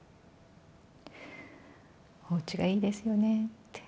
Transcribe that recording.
おうちがいいですよねって。